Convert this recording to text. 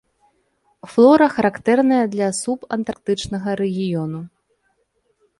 Флора характэрная для субантарктычнага рэгіёну.